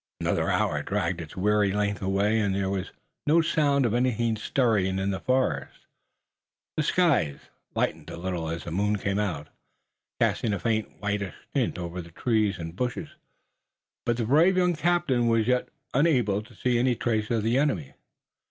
Another hour dragged its weary length away, and there was no sound of anything stirring in the forest. The skies lightened a little as the moon came out, casting a faint whitish tint over trees and bushes, but the brave young captain was yet unable to see any trace of the enemy.